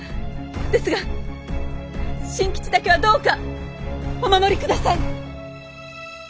ですが新吉だけはどうかお守りください！